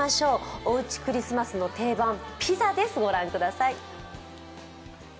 おうちクリスマスの定番ピザです、御覧ください。